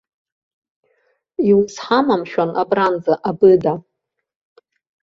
Иузҳама, мшәан, абранӡа абыда?